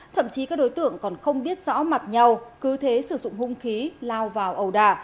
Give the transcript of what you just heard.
thậm chí các đối tượng còn không biết rõ mặt nhau cứ thế sử dụng hung khí lao vào ẩu đà